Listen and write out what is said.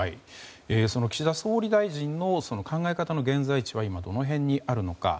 岸田総理大臣の考え方の現在地は今どの辺にあるのか。